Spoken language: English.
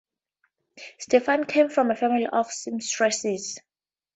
Stefani came from a family of seamstresses.